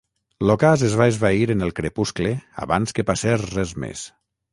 L'ocàs es va esvair en el crepuscle abans que passés res més.